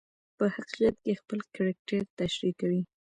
په حقیقت کې خپل کرکټر تشریح کوي.